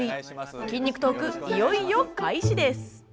筋肉トーク、いよいよ開始です。